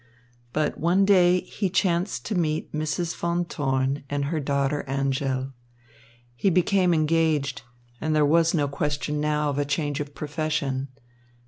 But one day he chanced to meet Mrs. Von Thorn and her daughter Angèle. He became engaged, and there was no question now of a change of profession.